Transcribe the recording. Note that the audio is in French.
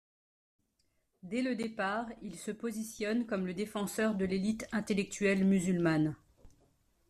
Dès le départ, il se positionne comme le défenseur de l'élite intellectuelle musulmane.